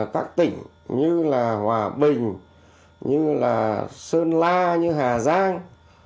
các tỉnh như là hòa bình như là sơn la như hà giang